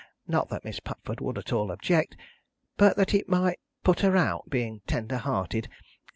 Not that Miss Pupford would at all object, but that it might put her out, being tender hearted.